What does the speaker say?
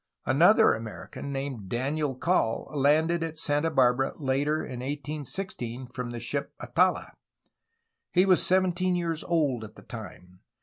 Another American, named Daniel Call, landed at Santa Barbara later in 1816 from the ship Atala. He was seventeen years old at the time.